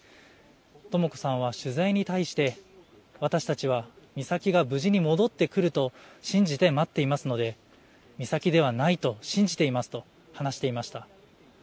とも子さんは取材に対して私たちは美咲が無事に戻ってくると信じて待っていますので美咲ではないと信じていますと話していました。